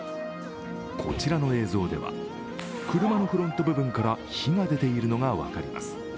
こちらの映像では、車のフロント部分から火が出ているのが分かります。